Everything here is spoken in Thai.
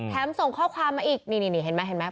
แถมส่งข้อความมาอีกนี่เห็นมั้ย